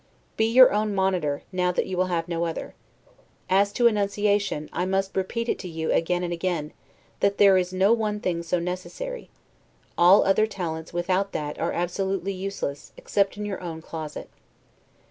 Be your own monitor, now that you will have no other. As to enunciation, I must repeat it to you again and again, that there is no one thing so necessary: all other talents, without that, are absolutely useless, except in your own closet.